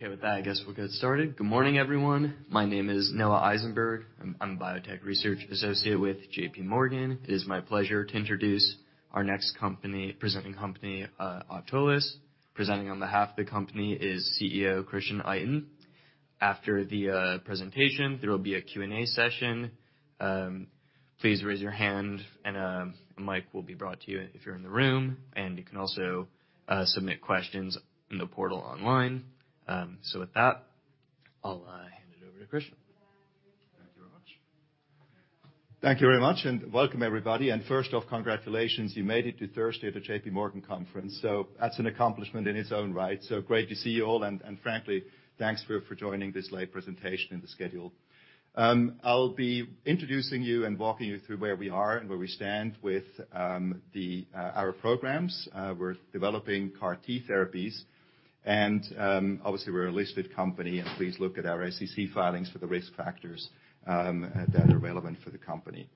Okay. With that, I guess we'll get started. Good morning, everyone. My name is Noah Eisenberg. I'm a biotech research associate with JPMorgan. It is my pleasure to introduce our next company, presenting company, Autolus Therapeutics. Presenting on behalf of the company is CEO Christian Itin. After the presentation, there will be a Q&A session. Please raise your hand and a mic will be brought to you if you're in the room. You can also submit questions in the portal online. With that, I'll hand it over to Christian. Thank you very much. Thank you very much. Welcome everybody. First off, congratulations. You made it to Thursday at the J.P. Morgan conference, that's an accomplishment in its own right. Great to see you all, and frankly, thanks for joining this late presentation in the schedule. I'll be introducing you and walking you through where we are and where we stand with our programs. We're developing CAR T therapies and obviously, we're a listed company, and please look at our SEC filings for the risk factors that are relevant for the company.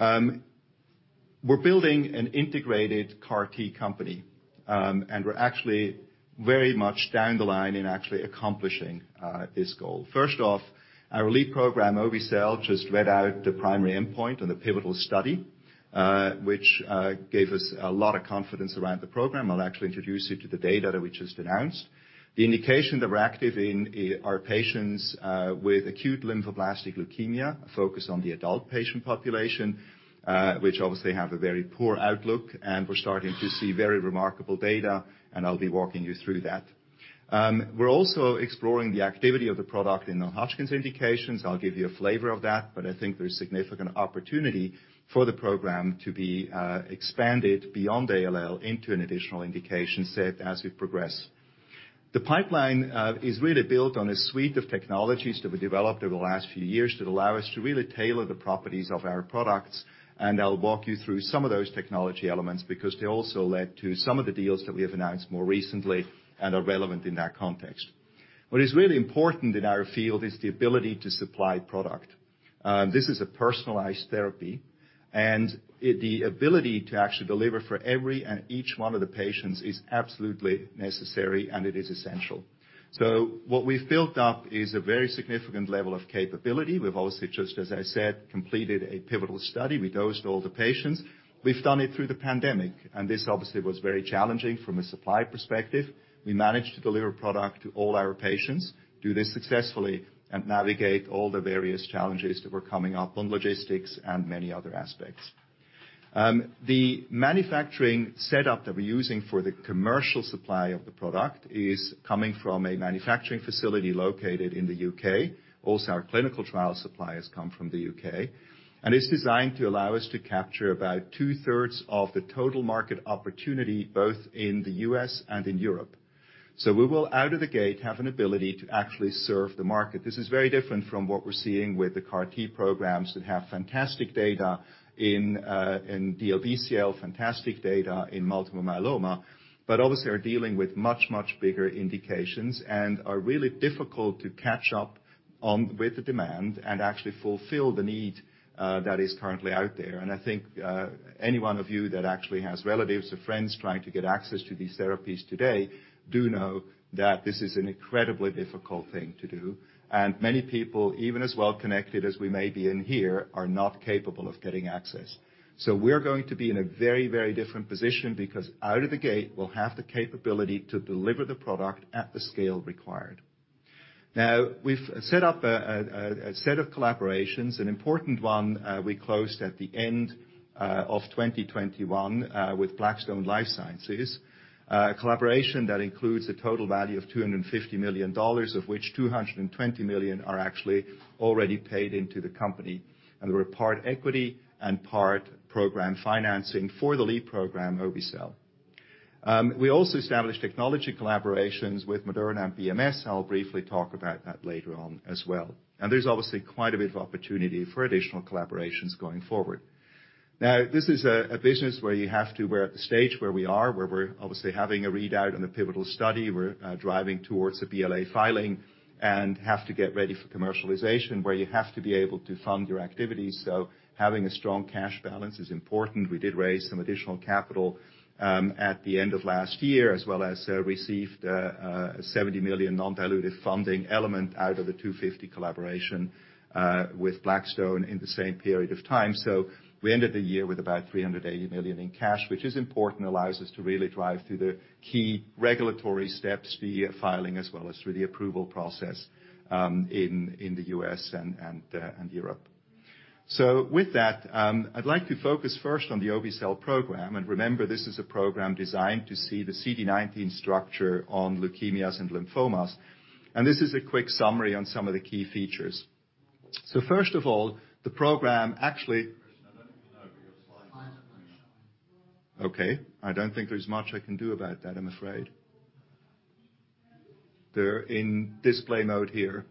We're building an integrated CAR T company, and we're actually very much down the line in actually accomplishing this goal. First off, our lead program, obe-cel, just read out the primary endpoint on the pivotal study, which gave us a lot of confidence around the program. I'll actually introduce you to the data that we just announced. The indication that we're active in are patients with acute lymphoblastic leukemia, a focus on the adult patient population, which obviously have a very poor outlook, and we're starting to see very remarkable data, and I'll be walking you through that. We're also exploring the activity of the product in non-Hodgkin's indications. I'll give you a flavor of that, but I think there's significant opportunity for the program to be expanded beyond ALL into an additional indication set as we progress. The pipeline is really built on a suite of technologies that we developed over the last few years that allow us to really tailor the properties of our products. I'll walk you through some of those technology elements because they also led to some of the deals that we have announced more recently and are relevant in that context. What is really important in our field is the ability to supply product. This is a personalized therapy. The ability to actually deliver for every and each one of the patients is absolutely necessary and it is essential. What we've built up is a very significant level of capability. We've obviously, just as I said, completed a pivotal study. We dosed all the patients. We've done it through the pandemic. This obviously was very challenging from a supply perspective. We managed to deliver product to all our patients, do this successfully, and navigate all the various challenges that were coming up on logistics and many other aspects. The manufacturing setup that we're using for the commercial supply of the product is coming from a manufacturing facility located in the UK. Also, our clinical trial suppliers come from the UK, and it's designed to allow us to capture about two-thirds of the total market opportunity, both in the US and in Europe. We will, out of the gate, have an ability to actually serve the market. This is very different from what we're seeing with the CAR T programs that have fantastic data in DLBCL, fantastic data in multiple myeloma, obviously are dealing with much, much bigger indications and are really difficult to catch up on with the demand and actually fulfill the need that is currently out there. I think any one of you that actually has relatives or friends trying to get access to these therapies today do know that this is an incredibly difficult thing to do. Many people, even as well connected as we may be in here, are not capable of getting access. We're going to be in a very, very different position because out of the gate, we'll have the capability to deliver the product at the scale required. Now, we've set up a set of collaborations. An important one, we closed at the end of 2021 with Blackstone Life Sciences. A collaboration that includes the total value of $250 million, of which $220 million are actually already paid into the company. They were part equity and part program financing for the lead program, obe-cel. We also established technology collaborations with Moderna and BMS. I'll briefly talk about that later on as well. There's obviously quite a bit of opportunity for additional collaborations going forward. This is a business where we're at the stage where we are, where we're obviously having a readout on a pivotal study. We're driving towards a BLA filing and have to get ready for commercialization, where you have to be able to fund your activities, so having a strong cash balance is important. We did raise some additional capital at the end of last year, as well as received a $70 million non-dilutive funding element out of the $250 collaboration with Blackstone in the same period of time. We ended the year with about $380 million in cash, which is important. Allows us to really drive through the key regulatory steps, the filing as well as through the approval process in the U.S. and Europe. With that, I'd like to focus first on the obe-cel program. Remember, this is a program designed to see the CD19 structure on leukemias and lymphomas. This is a quick summary on some of the key features. First of all, the program actually. Christian, I don't think we know, but your slides are not showing. Okay. I don't think there's much I can do about that, I'm afraid. They're in display mode here.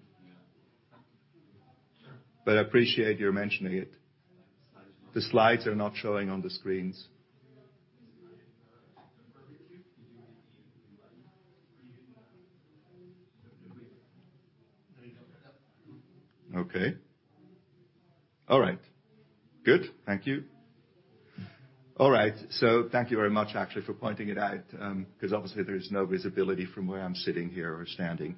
Yeah. I appreciate you mentioning it. The slides are not showing. The slides are not showing on the screens. Okay. All right. Good. Thank you. All right, thank you very much actually for pointing it out, 'cause obviously there's no visibility from where I'm sitting here or standing.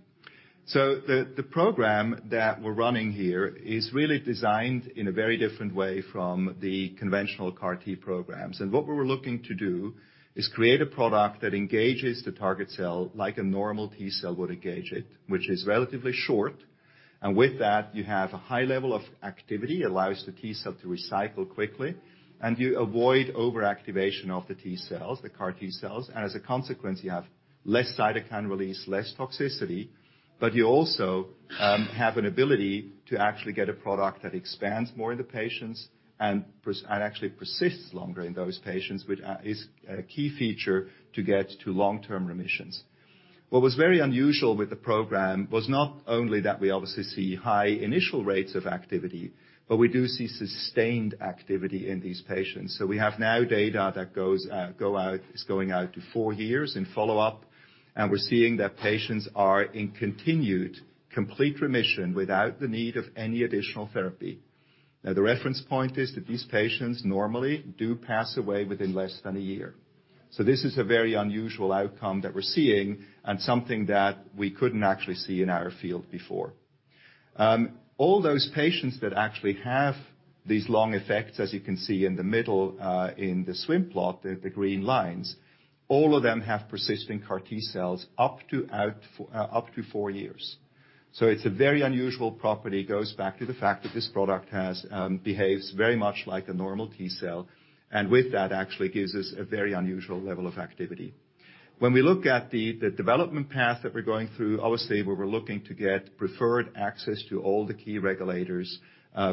The program that we're running here is really designed in a very different way from the conventional CAR T programs. What we were looking to do is create a product that engages the target cell like a normal T cell would engage it, which is relatively short, and with that, you have a high level of activity, allows the T cell to recycle quickly, and you avoid overactivation of the CAR T cells. Consequently, you have less cytokine release, less toxicity, but you also have an ability to actually get a product that expands more in the patients and actually persists longer in those patients, which is a key feature to get to long-term remissions. What was very unusual with the program was not only that we obviously see high initial rates of activity, but we do see sustained activity in these patients. We have now data that is going out to four years in follow-up, and we're seeing that patients are in continued complete remission without the need of any additional therapy. The reference point is that these patients normally do pass away within less than one year. This is a very unusual outcome that we're seeing and something that we couldn't actually see in our field before. All those patients that actually have these long effects, as you can see in the middle, in the swim plot, the green lines, all of them have persisting CAR T cells up to four years. It's a very unusual property. It goes back to the fact that this product has, behaves very much like a normal T cell, and with that, actually gives us a very unusual level of activity. When we look at the development path that we're going through, obviously, where we're looking to get preferred access to all the key regulators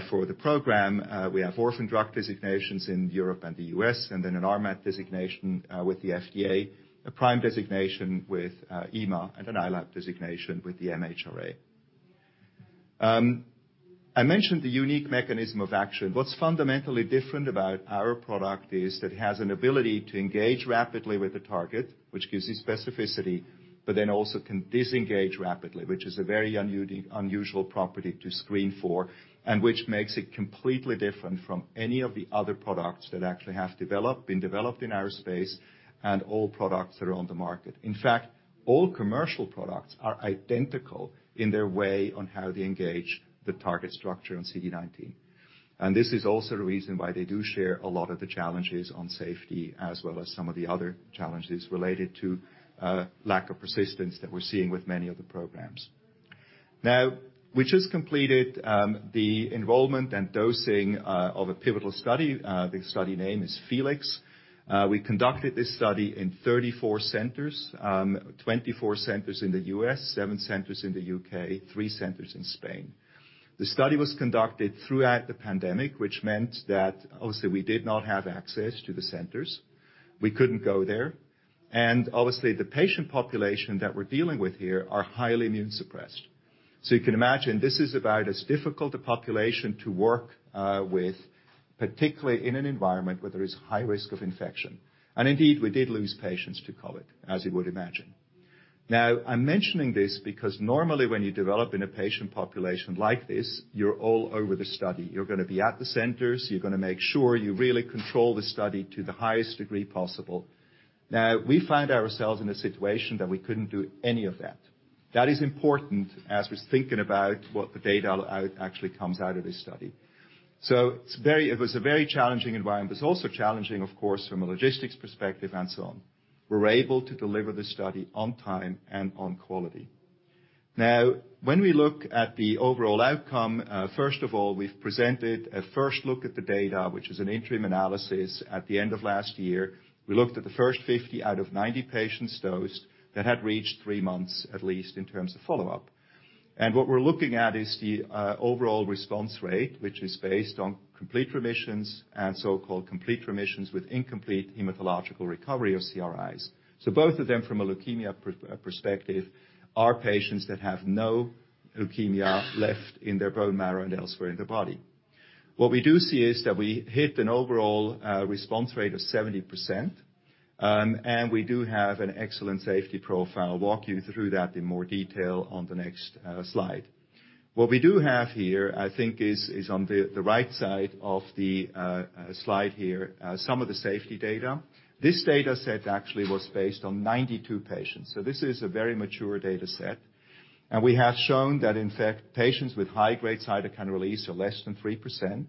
for the program, we have Orphan Drug Designations in Europe and the U.S., and then an RMAT designation with the FDA, a PRIME designation with EMA, and an ILAP designation with the MHRA. I mentioned the unique mechanism of action. What's fundamentally different about our product is that it has an ability to engage rapidly with the target, which gives you specificity, but then also can disengage rapidly, which is a very unusual property to screen for, and which makes it completely different from any of the other products that actually have been developed in our space and all products that are on the market. In fact, all commercial products are identical in their way on how they engage the target structure on CD19. This is also the reason why they do share a lot of the challenges on safety as well as some of the other challenges related to lack of persistence that we're seeing with many of the programs. We just completed the enrollment and dosing of a pivotal study. The study name is FELIX. We conducted this study in 34 centers. 24 centers in the U.S., seven centers in the U.K., three centers in Spain. The study was conducted throughout the pandemic, which meant that obviously we did not have access to the centers. We couldn't go there. Obviously, the patient population that we're dealing with here are highly immune suppressed. You can imagine this is about as difficult a population to work with, particularly in an environment where there is high risk of infection. Indeed, we did lose patients to COVID, as you would imagine. I'm mentioning this because normally when you develop in a patient population like this, you're all over the study. You're gonna be at the centers. You're gonna make sure you really control the study to the highest degree possible. We find ourselves in a situation that we couldn't do any of that. That is important as we're thinking about what the data actually comes out of this study. It was a very challenging environment. It's also challenging, of course, from a logistics perspective and so on. We're able to deliver the study on time and on quality. When we look at the overall outcome, first of all, we've presented a first look at the data, which is an interim analysis at the end of last year. We looked at the first 50 patients out of 90 patients dosed that had reached three months, at least, in terms of follow-up. What we're looking at is the overall response rate, which is based on complete remissions and so-called complete remissions with incomplete hematological recovery of CRIs. Both of them from a leukemia perspective are patients that have no leukemia left in their bone marrow and elsewhere in their body. What we do see is that we hit an overall response rate of 70%, and we do have an excellent safety profile. Walk you through that in more detail on the next slide. What we do have here, I think, is on the right side of the slide here, some of the safety data. This data set actually was based on 92 patients, so this is a very mature data set. We have shown that, in fact, patients with high-grade cytokine release are less than 3%.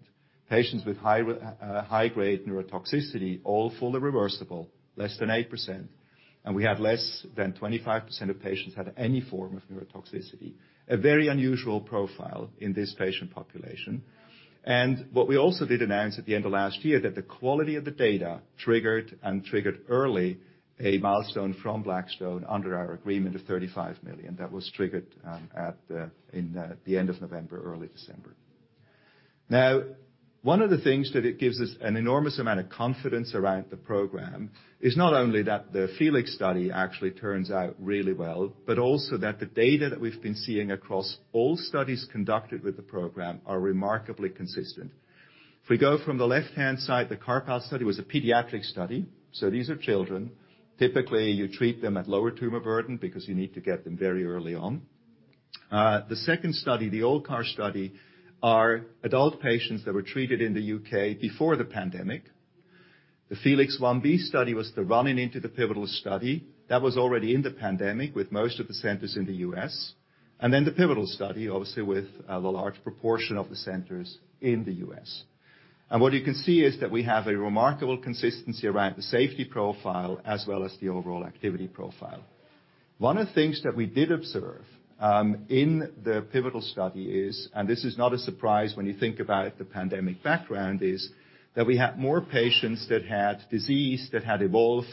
Patients with high-grade neurotoxicity, all fully reversible, less than 8%. We have less than 25% of patients have any form of neurotoxicity. A very unusual profile in this patient population. What we also did announce at the end of last year that the quality of the data triggered early a milestone from Blackstone under our agreement of $35 million. That was triggered in the end of November, early December. One of the things that it gives us an enormous amount of confidence around the program is not only that the FELIX study actually turns out really well, but also that the data that we've been seeing across all studies conducted with the program are remarkably consistent. We go from the left-hand side, the CARPALL study was a pediatric study, so these are children. Typically, you treat them at lower tumor burden because you need to get them very early on. The second study, the ALLCAR19 study, are adult patients that were treated in the U.K. before the pandemic. The PHOENIX1b study was the run-in into the pivotal study. That was already in the pandemic with most of the centers in the U.S. The pivotal study, obviously, with the large proportion of the centers in the U.S. What you can see is that we have a remarkable consistency around the safety profile as well as the overall activity profile. One of the things that we did observe in the pivotal study is, this is not a surprise when you think about it, the pandemic background is, that we had more patients that had disease that had evolved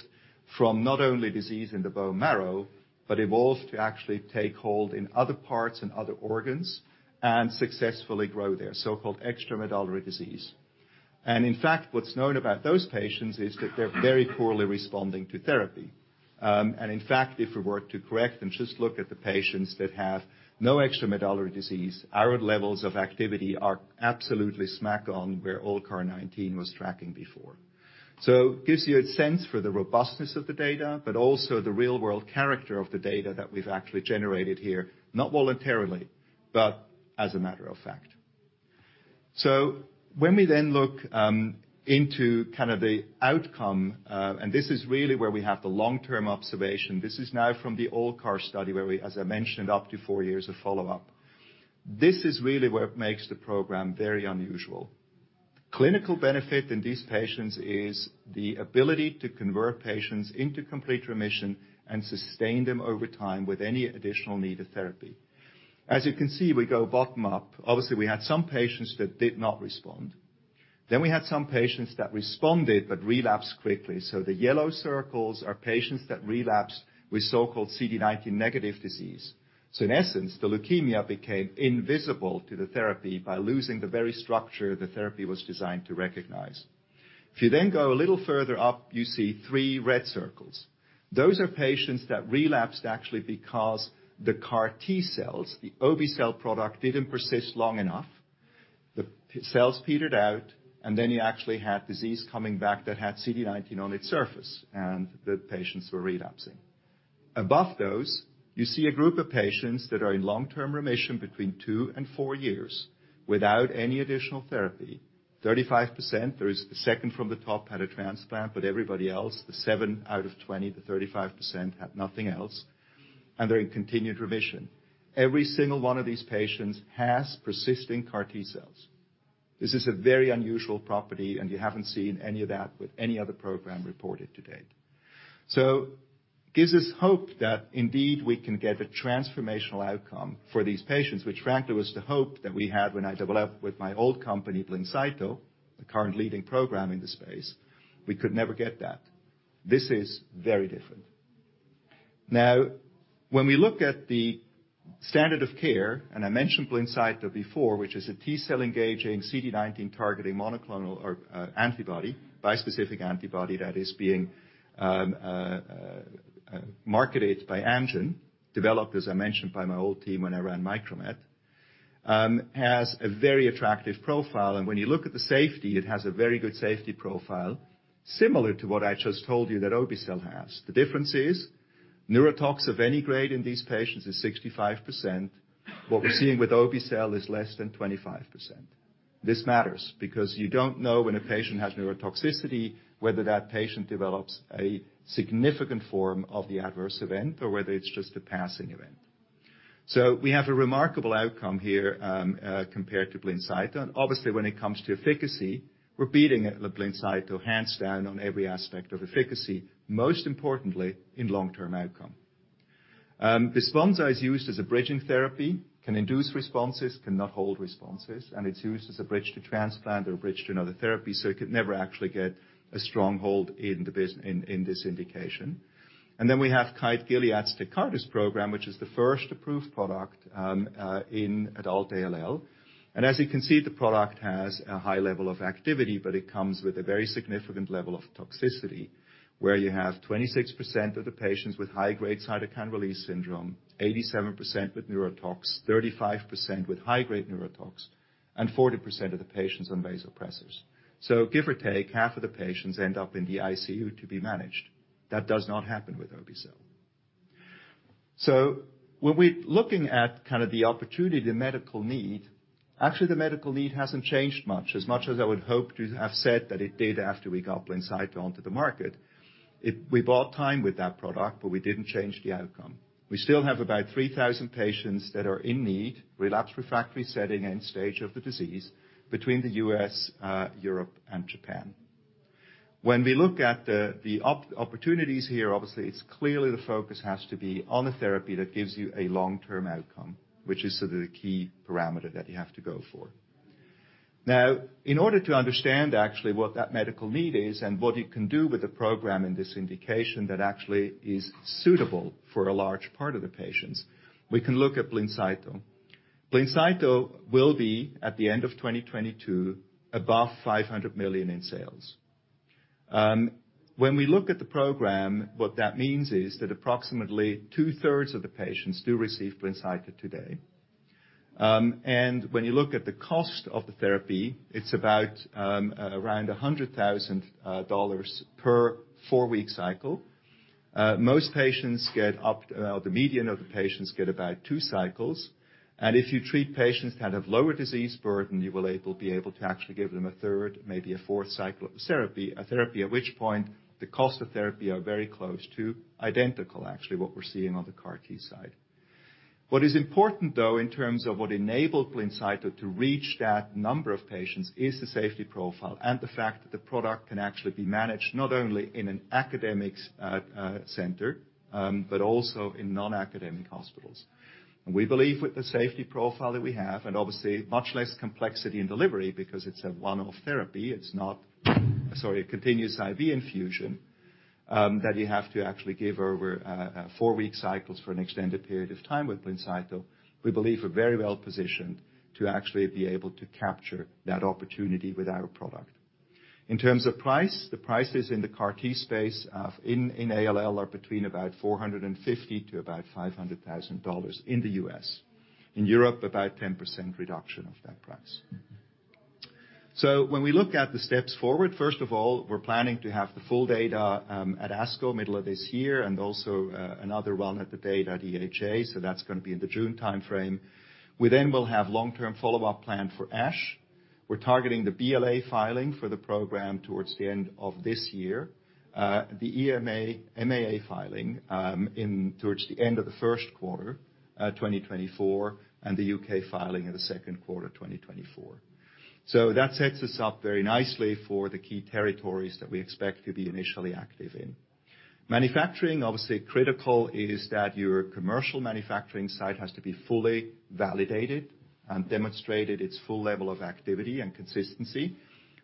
from not only disease in the bone marrow, but evolved to actually take hold in other parts and other organs and successfully grow there, so-called extramedullary disease. In fact, what's known about those patients is that they're very poorly responding to therapy. In fact, if we were to correct and just look at the patients that have no extramedullary disease, our levels of activity are absolutely smack on where ALLCAR19 was tracking before. Gives you a sense for the robustness of the data, but also the real-world character of the data that we've actually generated here, not voluntarily, but as a matter of fact. When we then look into kind of the outcome, this is really where we have the long-term observation. This is now from the ALLCAR study where we, as I mentioned, up to four years of follow-up. This is really what makes the program very unusual. Clinical benefit in these patients is the ability to convert patients into complete remission and sustain them over time with any additional need of therapy. You can see, we go bottom up. Obviously, we had some patients that did not respond. We had some patients that responded but relapsed quickly. The yellow circles are patients that relapsed with so-called CD19 negative disease. In essence, the leukemia became invisible to the therapy by losing the very structure the therapy was designed to recognize. If you then go a little further up, you see three red circles. Those are patients that relapsed actually because the CAR T cells, the obe-cel product, didn't persist long enough. The cells petered out, and then you actually had disease coming back that had CD19 on its surface, and the patients were relapsing. Above those, you see a group of patients that are in long-term remission between two years and four years without any additional therapy. 35%, there is the second from the top, had a transplant, but everybody else, the seven out of 20, the 35%, had nothing else, and they're in continued remission. Every single one of these patients has persisting CAR T-cells. This is a very unusual property. You haven't seen any of that with any other program reported to date. Gives us hope that indeed we can get a transformational outcome for these patients, which frankly was the hope that we had when I developed with my old company, Blincyto, the current leading program in the space. We could never get that. This is very different. When we look at the standard of care, I mentioned Blincyto before, which is a T-cell engaging CD19 targeting monoclonal or antibody, bispecific antibody that is being marketed by Amgen, developed, as I mentioned, by my old team when I ran Micromet, has a very attractive profile. When you look at the safety, it has a very good safety profile, similar to what I just told you that obe-cel has. The difference is neurotox of any grade in these patients is 65%. What we're seeing with obe-cel is less than 25%. This matters because you don't know when a patient has neurotoxicity, whether that patient develops a significant form of the adverse event or whether it's just a passing event. We have a remarkable outcome here compared to Blincyto. Obviously, when it comes to efficacy, we're beating Blincyto hands down on every aspect of efficacy, most importantly in long-term outcome. Besponsa is used as a bridging therapy, can induce responses, cannot hold responses, and it's used as a bridge to transplant or a bridge to another therapy, so it could never actually get a stronghold in this indication. Then we have Kite Gilead's Tecartus program, which is the first approved product in adult ALL. As you can see, the product has a high level of activity, but it comes with a very significant level of toxicity, where you have 26% of the patients with high-grade cytokine release syndrome, 87% with neurotox, 35% with high-grade neurotox, and 40% of the patients on vasopressors. Give or take, half of the patients end up in the ICU to be managed. That does not happen with obe-cel. When we're looking at kind of the opportunity, the medical need, actually the medical need hasn't changed much. As much as I would hope to have said that it did after we got Blincyto onto the market, we bought time with that product, but we didn't change the outcome. We still have about 3,000 patients that are in need, relapse refractory setting and stage of the disease between the U.S., Europe and Japan. When we look at the opportunities here, obviously, it's clearly the focus has to be on a therapy that gives you a long-term outcome, which is sort of the key parameter that you have to go for. Now, in order to understand actually what that medical need is and what you can do with a program in this indication that actually is suitable for a large part of the patients, we can look at Blincyto. Blincyto will be, at the end of 2022, above $500 million in sales. When we look at the program, what that means is that approximately 2/3 of the patients do receive Blincyto today. When you look at the cost of the therapy, it's about, around $100,000 per four-week cycle. The median of the patients get about two cycles. If you treat patients that have lower disease burden, you will be able to actually give them a third, maybe a fourth cycle of the therapy, at which point, the cost of therapy are very close to identical, actually, what we're seeing on the CAR-T side. What is important, though, in terms of what enabled Blincyto to reach that number of patients is the safety profile and the fact that the product can actually be managed, not only in an academics center, but also in non-academic hospitals. We believe with the safety profile that we have, and obviously much less complexity in delivery because it's a one-off therapy, it's not, sorry, a continuous IV infusion that you have to actually give over four-week cycles for an extended period of time with Blincyto. We believe we're very well-positioned to actually be able to capture that opportunity with our product. In terms of price, the prices in the CAR-T space, in ALL are between about $450,000-$500,000 in the U.S. In Europe, about 10% reduction of that price. When we look at the steps forward, first of all, we're planning to have the full data at ASCO, middle of this year, also another one at the data EHA, so that's gonna be in the June timeframe. We will have long-term follow-up plan for ASH. We're targeting the BLA filing for the program towards the end of this year. The EMA, MAA filing towards the end of the first quarter 2024, and the U.K. filing in the second quarter of 2024. That sets us up very nicely for the key territories that we expect to be initially active in. Manufacturing, obviously critical, is that your commercial manufacturing site has to be fully validated and demonstrated its full level of activity and consistency.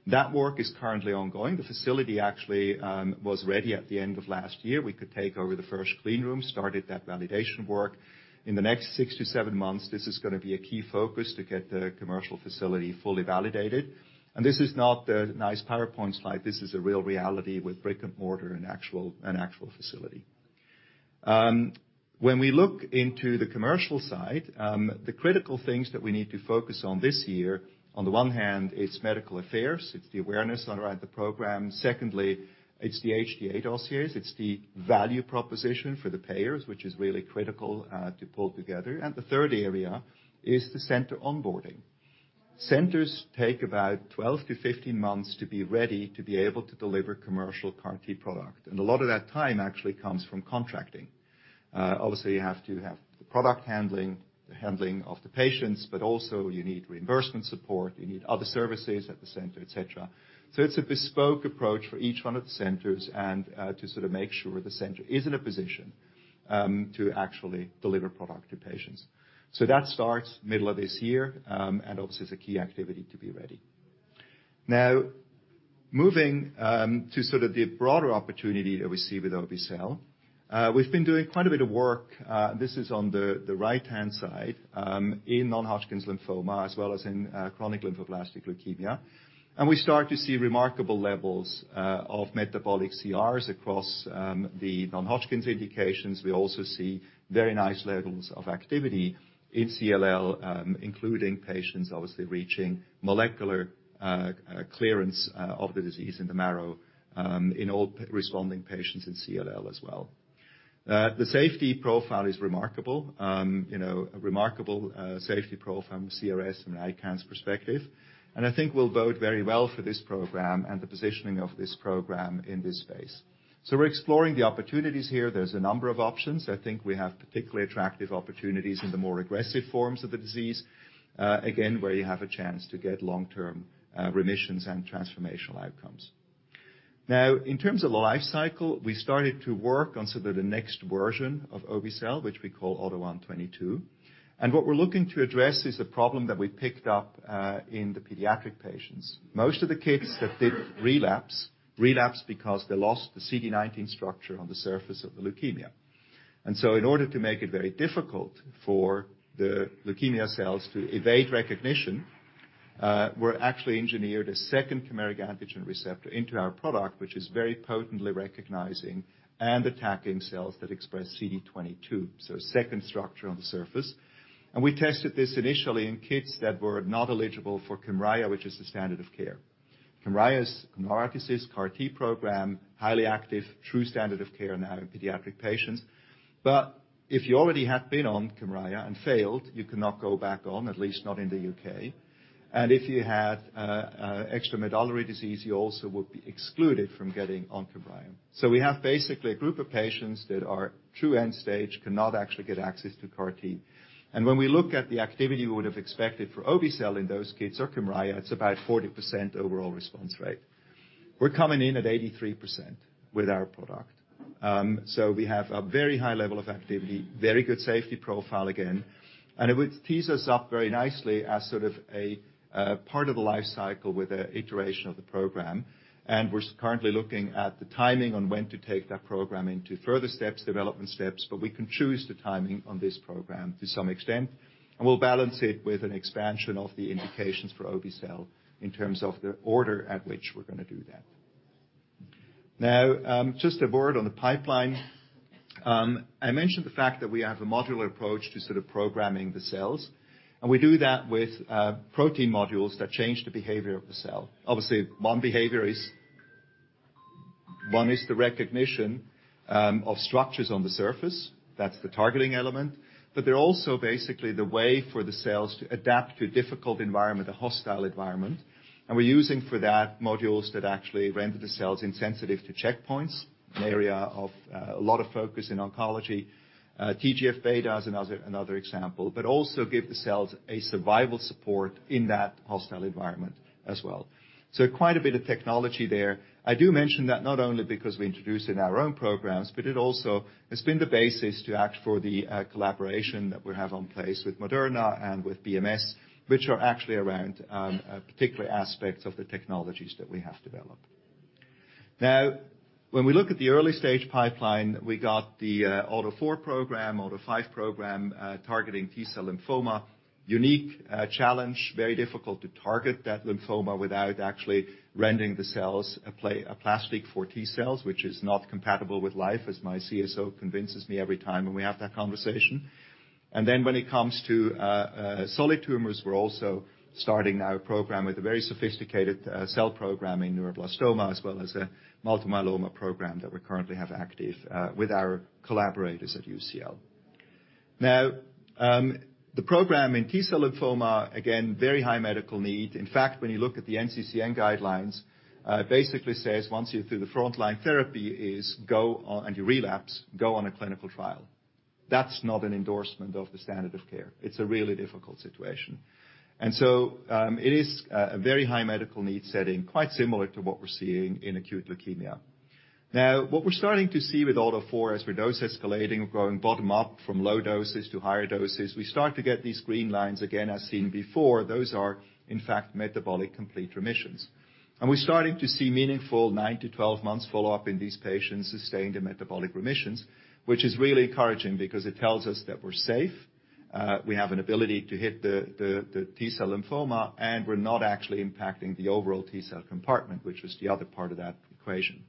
That work is currently ongoing. The facility actually was ready at the end of last year. We could take over the first clean room, started that validation work. In the next six months to seven months, this is gonna be a key focus to get the commercial facility fully validated. This is not a nice PowerPoint slide, this is a real reality with brick-and-mortar and an actual facility. When we look into the commercial side, the critical things that we need to focus on this year, on the one hand, it's medical affairs, it's the awareness around the program. Secondly, it's the HTA dossiers. It's the value proposition for the payers, which is really critical, to pull together. The third area is the center onboarding. Centers take about 12 months-15 months to be ready to be able to deliver commercial CAR T product, and a lot of that time actually comes from contracting. Obviously, you have to have the product handling, the handling of the patients, but also you need reimbursement support, you need other services at the center, et cetera. It's a bespoke approach for each one of the centers and to sort of make sure the center is in a position, to actually deliver product to patients. That starts middle of this year, and obviously is a key activity to be ready. Now, moving to sort of the broader opportunity that we see with obe-cel, we've been doing quite a bit of work, this is on the right-hand side, in non-Hodgkin's lymphoma, as well as in chronic lymphocytic leukemia. We start to see remarkable levels of metabolic CRs across the non-Hodgkin's indications. We also see very nice levels of activity in CLL, including patients, obviously reaching molecular clearance of the disease in the marrow, in all responding patients in CLL as well. The safety profile is remarkable, you know, a remarkable safety profile from CRS and ICANS perspective. I think will bode very well for this program and the positioning of this program in this phase. We're exploring the opportunities here. There's a number of options. I think we have particularly attractive opportunities in the more aggressive forms of the disease, again, where you have a chance to get long-term remissions and transformational outcomes. In terms of the life cycle, we started to work on sort of the next version of obe-cel, which we call AUTO1/22. What we're looking to address is a problem that we picked up in the pediatric patients. Most of the kids that did relapse because they lost the CD19 structure on the surface of the leukemia. In order to make it very difficult for the leukemia cells to evade recognition, we actually engineered a second chimeric antigen receptor into our product, which is very potently recognizing and attacking cells that express CD22, so a second structure on the surface. We tested this initially in kids that were not eligible for Kymriah, which is the standard of care. Kymriah's Novartis' CAR-T program, highly active, true standard of care now in pediatric patients. If you already had been on Kymriah and failed, you cannot go back on, at least not in the U.K. If you had extramedullary disease, you also would be excluded from getting on Kymriah. We have basically a group of patients that are true end-stage, cannot actually get access to CAR-T. When we look at the activity we would have expected for obe-cel in those kids or Kymriah, it's about 40% overall response rate. We're coming in at 83% with our product. We have a very high level of activity, very good safety profile again. It would tease us up very nicely as sort of a part of the life cycle with the iteration of the program. We're currently looking at the timing on when to take that program into further steps, development steps, but we can choose the timing on this program to some extent. We'll balance it with an expansion of the indications for obe-cel in terms of the order at which we're gonna do that. Now, just a word on the pipeline. I mentioned the fact that we have a modular approach to sort of programming the cells, and we do that with protein modules that change the behavior of the cell. Obviously, one behavior is. One is the recognition of structures on the surface. That's the targeting element. They're also basically the way for the cells to adapt to a difficult environment, a hostile environment. We're using, for that, modules that actually render the cells insensitive to checkpoints, an area of a lot of focus in oncology. TGF-beta is another example. Also give the cells a survival support in that hostile environment as well. Quite a bit of technology there. I do mention that not only because we introduce in our own programs, but it also has been the basis to act for the collaboration that we have on place with Moderna and with BMS, which are actually around particular aspects of the technologies that we have developed. Now, when we look at the early-stage pipeline, we got the AUTO-4 program, AUTO-5 program, targeting T-cell lymphoma. Unique challenge, very difficult to target that lymphoma without actually rendering the cells a plastic for T-cells, which is not compatible with life, as my CSO convinces me every time when we have that conversation. When it comes to solid tumors, we're also starting our program with a very sophisticated cell programming neuroblastoma, as well as a multiple myeloma program that we currently have active with our collaborators at UCL. Now, the program in T-cell lymphoma, again, very high medical need. In fact, when you look at the NCCN guidelines, it basically says, once you're through the frontline therapy is go on, and you relapse, go on a clinical trial. That's not an endorsement of the standard of care. It's a really difficult situation. It is a very high medical need setting, quite similar to what we're seeing in acute leukemia. What we're starting to see with AUTO4 as we're dose escalating, we're going bottom up from low doses to higher doses, we start to get these green lines again, as seen before. Those are, in fact, metabolic complete remissions. We're starting to see meaningful nine months to 12 months follow-up in these patients sustained in metabolic remissions, which is really encouraging because it tells us that we're safe, we have an ability to hit the T-cell lymphoma, and we're not actually impacting the overall T-cell compartment, which is the other part of that equation.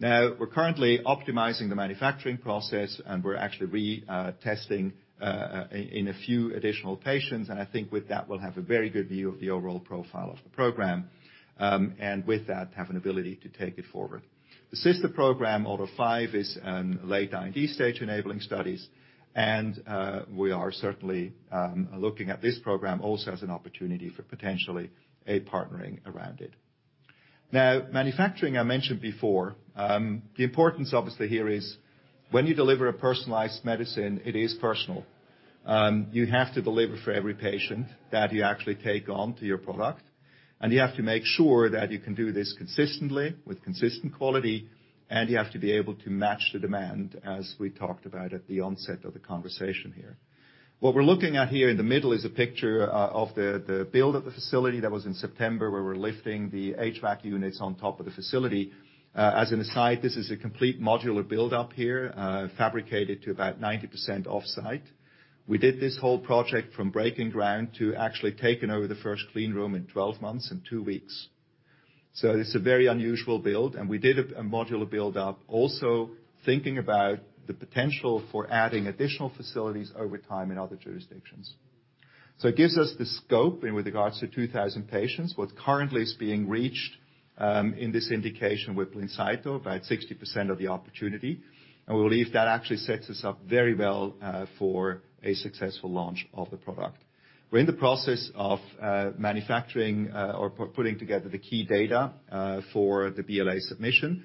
We're currently optimizing the manufacturing process, and we're actually retesting in a few additional patients. I think with that, we'll have a very good view of the overall profile of the program, and with that, have an ability to take it forward. The sister program, AUTO-5, is in late IND stage enabling studies. We are certainly looking at this program also as an opportunity for potentially a partnering around it. Now, manufacturing, I mentioned before, the importance obviously here is when you deliver a personalized medicine, it is personal. You have to deliver for every patient that you actually take on to your product, and you have to make sure that you can do this consistently with consistent quality, and you have to be able to match the demand as we talked about at the onset of the conversation here. What we're looking at here in the middle is a picture of the build of the facility that was in September, where we're lifting the HVAC units on top of the facility. As an aside, this is a complete modular build-up here, fabricated to about 90% off-site. We did this whole project from breaking ground to actually taking over the first clean room in 12 months and two weeks. It's a very unusual build, and we did a modular build-up, also thinking about the potential for adding additional facilities over time in other jurisdictions. It gives us the scope, and with regards to 2,000 patients, what currently is being reached in this indication with Blincyto, about 60% of the opportunity. We believe that actually sets us up very well for a successful launch of the product. We're in the process of manufacturing or putting together the key data for the BLA submission.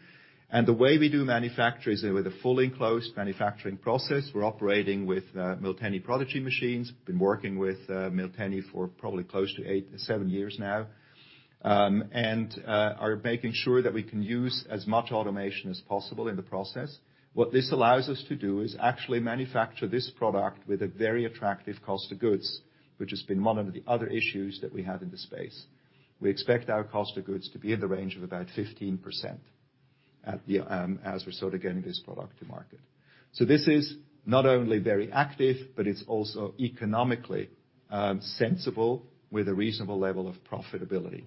The way we do manufacture is with a fully enclosed manufacturing process. We're operating with Miltenyi Prodigy machines. Been working with Miltenyi for probably close to eight years... seven years now. Are making sure that we can use as much automation as possible in the process. What this allows us to do is actually manufacture this product with a very attractive cost of goods, which has been one of the other issues that we have in the space. We expect our cost of goods to be in the range of about 15% at the as we're sort of getting this product to market. This is not only very active, but it's also economically sensible with a reasonable level of profitability.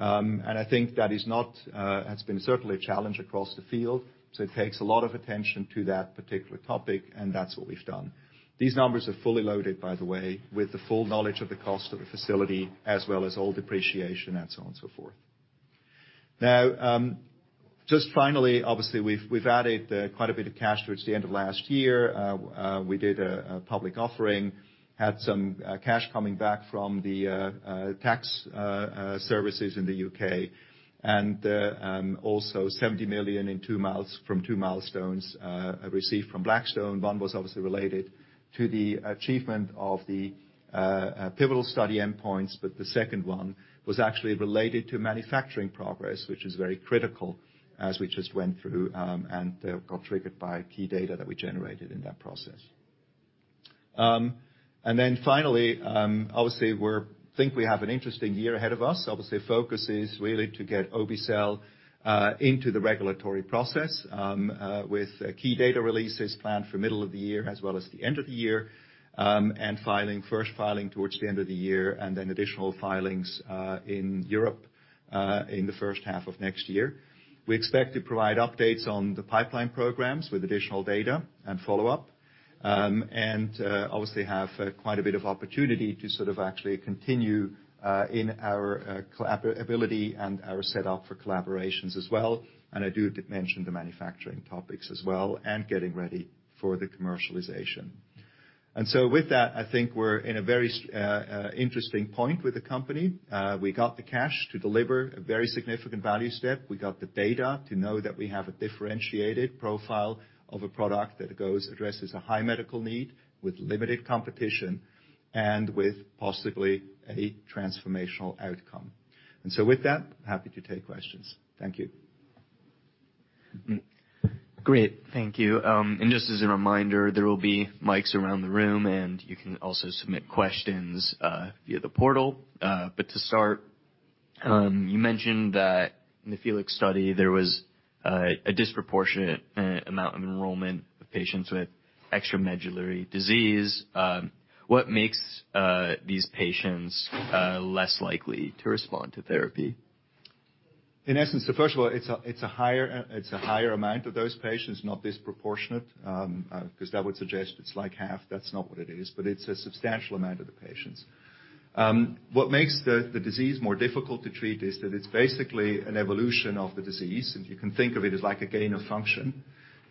I think that is not has been certainly a challenge across the field, so it takes a lot of attention to that particular topic, and that's what we've done. These numbers are fully loaded, by the way, with the full knowledge of the cost of the facility as well as all depreciation and so on and so forth. Just finally, obviously, we've added quite a bit of cash towards the end of last year. We did a public offering, had some cash coming back from the tax services in the U.K., also $70 million from two milestones received from Blackstone. One was obviously related to the achievement of the pivotal study endpoints. The second one was actually related to manufacturing progress, which is very critical as we just went through, and got triggered by key data that we generated in that process. Finally, obviously we think we have an interesting year ahead of us. Obviously, focus is really to get obe-cel into the regulatory process, with key data releases planned for middle of the year as well as the end of the year. Filing, first filing towards the end of the year, and then additional filings in Europe in the first half of next year. We expect to provide updates on the pipeline programs with additional data and follow up, obviously have quite a bit of opportunity to sort of actually continue in our collab ability and our set up for collaborations as well. I do mention the manufacturing topics as well, and getting ready for the commercialization. With that, I think we're in a very interesting point with the company. We got the cash to deliver a very significant value step. We got the data to know that we have a differentiated profile of a product that addresses a high medical need with limited competition and with possibly a transformational outcome. With that, happy to take questions. Thank you. Great. Thank you. Just as a reminder, there will be mics around the room, and you can also submit questions via the portal. To start, you mentioned that in the FELIX study there was a disproportionate amount of enrollment of patients with extramedullary disease. What makes these patients less likely to respond to therapy? In essence. First of all, it's a higher amount of those patients, not disproportionate, because that would suggest it's like half. That's not what it is. It's a substantial amount of the patients. What makes the disease more difficult to treat is that it's basically an evolution of the disease, and you can think of it as like a gain of function,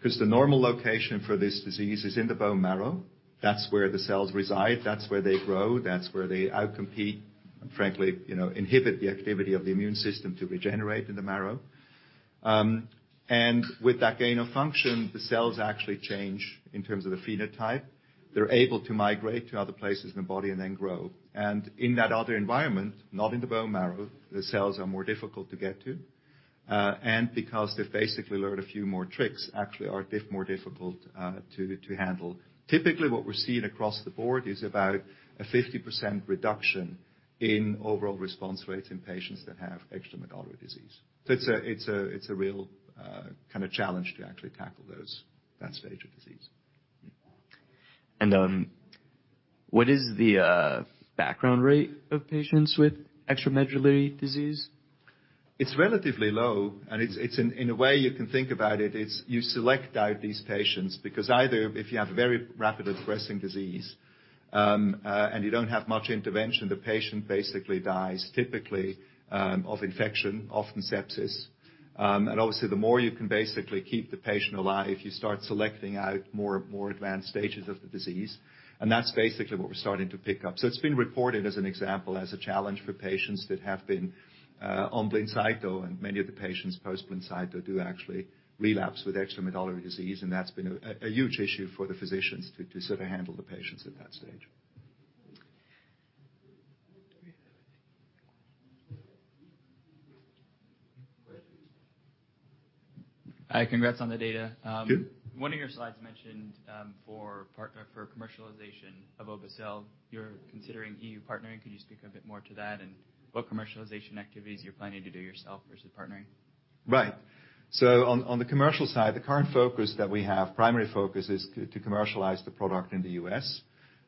'cause the normal location for this disease is in the bone marrow. That's where the cells reside, that's where they grow, that's where they outcompete and frankly, you know, inhibit the activity of the immune system to regenerate in the marrow. With that gain of function, the cells actually change in terms of the phenotype. They're able to migrate to other places in the body and then grow. In that other environment, not in the bone marrow, the cells are more difficult to get to, and because they've basically learned a few more tricks, actually are more difficult to handle. Typically, what we're seeing across the board is about a 50% reduction in overall response rates in patients that have extramedullary disease. It's a real kinda challenge to actually tackle those, that stage of disease. What is the background rate of patients with extramedullary disease? It's relatively low, and it's. In a way you can think about it's you select out these patients because either if you have a very rapidly progressing disease, and you don't have much intervention, the patient basically dies, typically, of infection, often sepsis. Obviously the more you can basically keep the patient alive, you start selecting out more advanced stages of the disease, and that's basically what we're starting to pick up. It's been reported as an example, as a challenge for patients that have been on Blincyto, and many of the patients post Blincyto do actually relapse with extramedullary disease, and that's been a huge issue for the physicians to sort of handle the patients at that stage. Hi. Congrats on the data. Thank you. One of your slides mentioned, for partner for commercialization of obe-cel, you're considering EU partnering. Could you speak a bit more to that and what commercialization activities you're planning to do yourself versus partnering? On the commercial side, the current focus that we have, primary focus, is to commercialize the product in the U.S.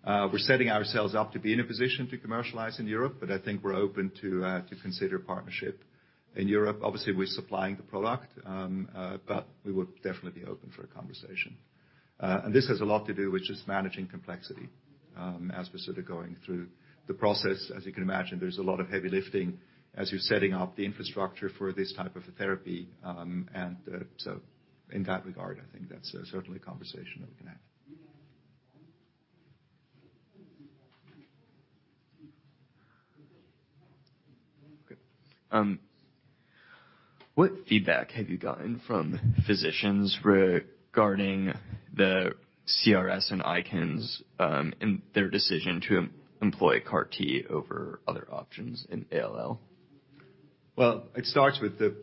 We're setting ourselves up to be in a position to commercialize in Europe, but I think we're open to consider partnership in Europe. Obviously, we're supplying the product, but we would definitely be open for a conversation. This has a lot to do with just managing complexity. As we're sort of going through the process, as you can imagine, there's a lot of heavy lifting as you're setting up the infrastructure for this type of a therapy, in that regard, I think that's certainly a conversation that we can have. Okay. What feedback have you gotten from physicians regarding the CRS and ICANS, in their decision to employ CAR T over other options in ALL? Well, it starts with the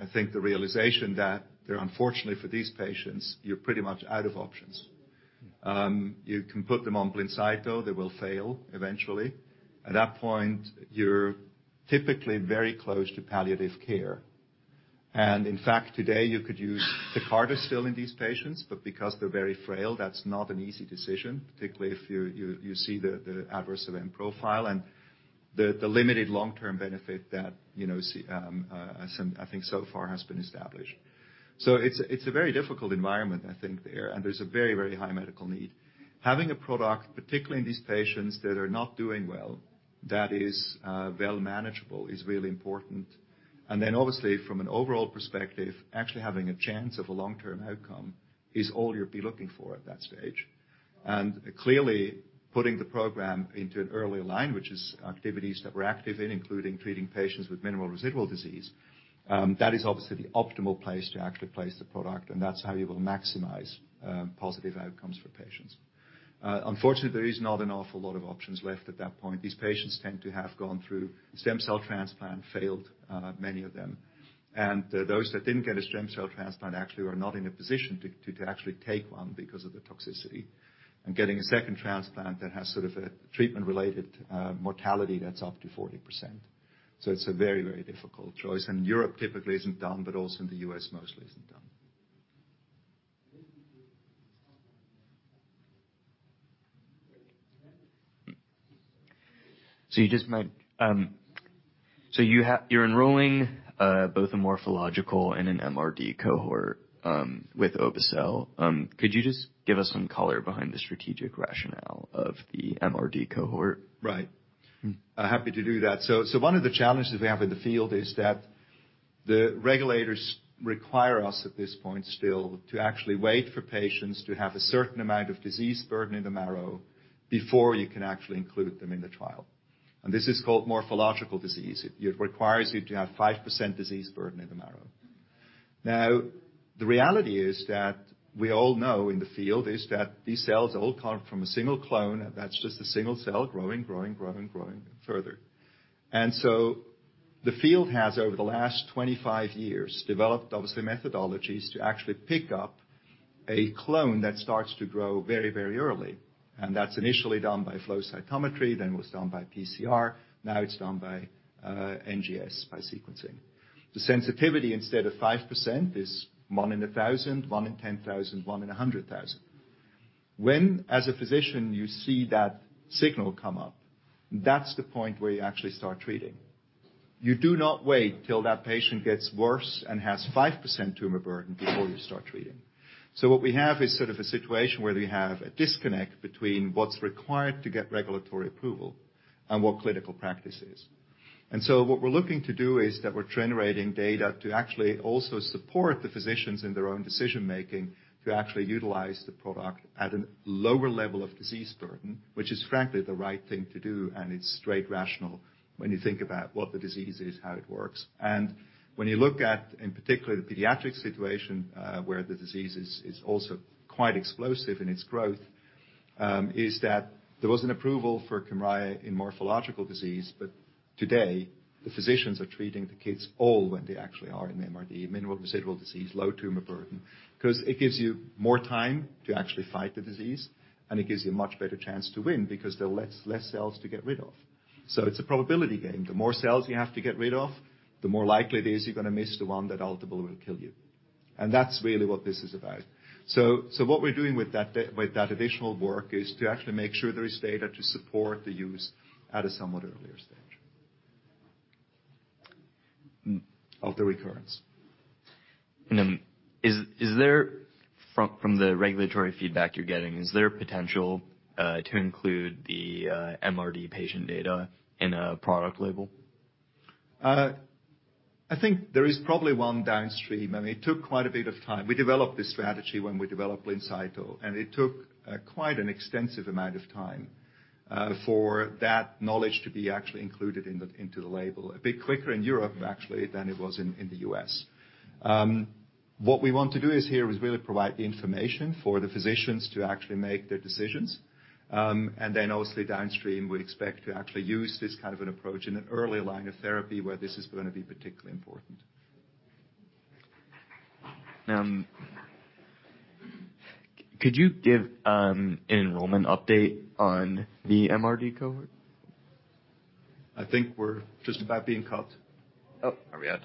I think the realization that there unfortunately for these patients, you're pretty much out of options. You can put them on Blincyto, they will fail eventually. At that point, you're typically very close to palliative care. In fact, today you could use Tecartus still in these patients, but because they're very frail, that's not an easy decision, particularly if you see the adverse event profile and the limited long-term benefit that, you know, I think so far has been established. It's a very difficult environment, I think, there, and there's a very high medical need. Having a product, particularly in these patients that are not doing well, that is well manageable, is really important. Obviously from an overall perspective, actually having a chance of a long-term outcome is all you'll be looking for at that stage. Clearly, putting the program into an earlier line, which is activities that we're active in, including treating patients with minimal residual disease, that is obviously the optimal place to actually place the product, and that's how you will maximize positive outcomes for patients. Unfortunately, there is not an awful lot of options left at that point. These patients tend to have gone through stem cell transplant, failed many of them. Those that didn't get a stem cell transplant actually were not in a position to actually take one because of the toxicity. Getting a second transplant that has sort of a treatment-related mortality, that's up to 40%. It's a very, very difficult choice. Europe typically isn't done, but also in the U.S. mostly isn't done. You just meant... You're enrolling both a morphological and an MRD cohort with obe-cel. Could you just give us some color behind the strategic rationale of the MRD cohort? Right. Mm-hmm. Happy to do that. One of the challenges we have in the field is that the regulators require us, at this point still, to actually wait for patients to have a certain amount of disease burden in the marrow before you can actually include them in the trial. This is called morphological disease. It requires you to have 5% disease burden in the marrow. The reality is that we all know in the field is that these cells all come from a single clone, and that's just a single cell growing, growing further. The field has, over the last 25 years, developed obviously methodologies to actually pick up a clone that starts to grow very, very early. That's initially done by flow cytometry, then was done by PCR. Now it's done by NGS, by sequencing. The sensitivity instead of 5% is one in 1,000, one in 10,000, one in 100,000. When, as a physician, you see that signal come up, that's the point where you actually start treating. You do not wait till that patient gets worse and has 5% tumor burden before you start treating. What we have is sort of a situation where we have a disconnect between what's required to get regulatory approval and what clinical practice is. What we're looking to do is that we're generating data to actually also support the physicians in their own decision-making to actually utilize the product at a lower level of disease burden, which is frankly the right thing to do, and it's straight rational when you think about what the disease is, how it works. When you look at, in particular, the pediatric situation, where the disease is also quite explosive in its growth, is that there was an approval for Kymriah in morphological disease. Today, the physicians are treating the kids ALL when they actually are in MRD, minimal residual disease, low tumor burden, 'cause it gives you more time to actually fight the disease, and it gives you a much better chance to win because there are less cells to get rid of. It's a probability game. The more cells you have to get rid of, the more likely it is you're gonna miss the one that ultimately will kill you. That's really what this is about. What we're doing with that additional work is to actually make sure there is data to support the use at a somewhat earlier stage. Mm-hmm. Of the recurrence. From the regulatory feedback you're getting, is there potential to include the MRD patient data in a product label? I think there is probably one downstream. I mean, it took quite a bit of time. We developed this strategy when we developed Blincyto, and it took quite an extensive amount of time for that knowledge to be actually included in the, into the label. A bit quicker in Europe, actually, than it was in the U.S. What we want to do is here is really provide the information for the physicians to actually make their decisions. Then obviously downstream, we expect to actually use this kind of an approach in an earlier line of therapy where this is gonna be particularly important. Could you give an enrollment update on the MRD cohort? I think we're just about being cut. Oh. Are we out?